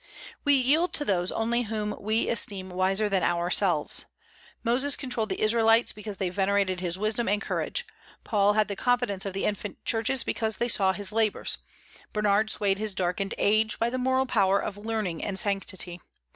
We yield to those only whom we esteem wiser than ourselves. Moses controlled the Israelites because they venerated his wisdom and courage; Paul had the confidence of the infant churches because they saw his labors; Bernard swayed his darkened age by the moral power of learning and sanctity.